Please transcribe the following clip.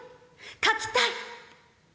書きたい」。